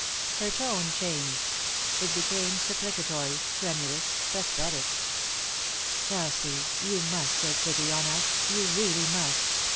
Her tone changed ; it became supplicatory, tremulous, pathetic "Elsie, you must take pity on us, you really must.